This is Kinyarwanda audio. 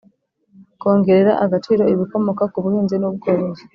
Kongerera agaciro ibikomoka ku buhinzi n ubworozi